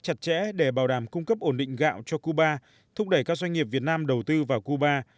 chặt chẽ để bảo đảm cung cấp ổn định gạo cho cuba thúc đẩy các doanh nghiệp việt nam đầu tư vào cuba